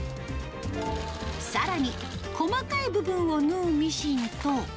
さらに、細かい部分を縫うミシンと。